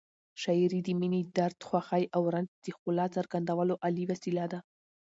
شاعري د مینې، درد، خوښۍ او رنج د ښکلا څرګندولو عالي وسیله ده.